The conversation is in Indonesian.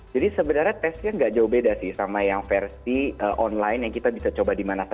jadi sebenarnya tesnya tidak jauh beda sih sama yang versi online yang kita bisa coba di mana saja